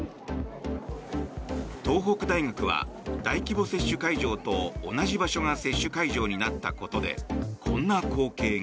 東北大学は大規模接種会場と同じ場所が接種会場になったことでこんな光景が。